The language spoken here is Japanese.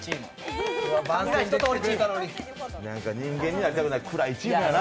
なんか人間になりたくない、暗いチームやな。